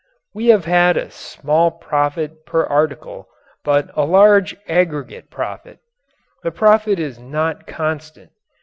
We have had a small profit per article but a large aggregate profit. The profit is not constant.